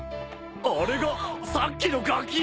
あれがさっきのガキ！？